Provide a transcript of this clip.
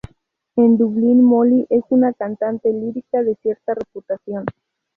En Dublín, Molly es una cantante lírica de cierta reputación.